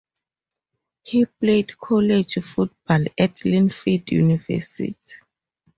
He played college football at Linfield University.